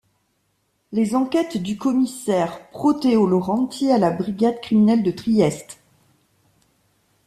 Les enquêtes du commissaire Proteo Laurenti à la brigade criminelle de Trieste.